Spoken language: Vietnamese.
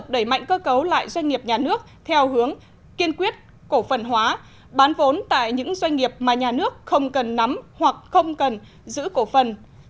doanh nghiệp nhà nước theo hướng kiên quyết cổ phần hóa bán vốn tại những doanh nghiệp mà nhà nước không cần nắm hoặc không cần giữ cổ phần